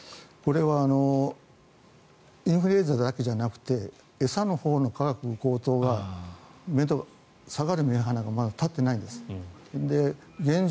これはインフルエンザだけじゃなくて餌のほうの価格高騰が下がるめどがまだ立ってないんです。